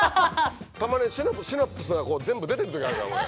たまにシナプスが全部出ていくときあるから俺。